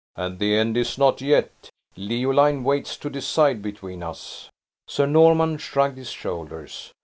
"And the end is not yet! Leoline waits to decide between us!" Sir Norman shrugged his shoulders.